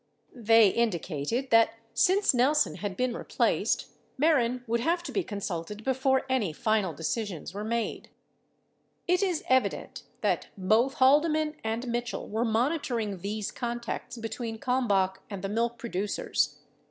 They indicated that since Nelson had been replaced, Mehren would have to be consulted before any final decisions were made. 40 It is evident that both Ilaldeman and Mitchell were monitoring these contacts between Kalmbach and the milk producers.